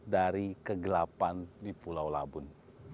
dari kegelapan di pulau labun